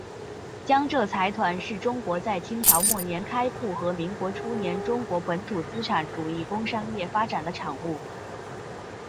江浙财团是中国在清朝末年开阜和民国初年中国本土资本主义工商业发展的产物。